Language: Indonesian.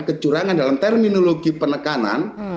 kecurangan dalam terminologi penekanan